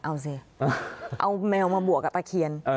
เอาสิเอาแมวมาบวกกับตะเคียน